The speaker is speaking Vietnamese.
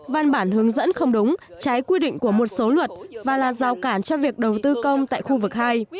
văn bản hướng dẫn không đúng trái quy định của một số luật và là rào cản cho việc đầu tư công tại khu vực hai